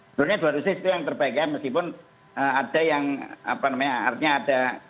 sebenarnya dua dosis itu yang terbaik ya meskipun ada yang apa namanya artinya ada